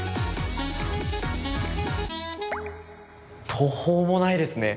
途方もないですね。